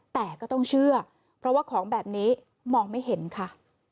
แต่ก็ต้องเชื่อเพราะว่าของแบบนี้มองไม่เห็นค่ะ